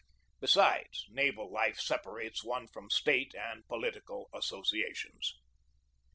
Besides, naval life separates one from State and political associations.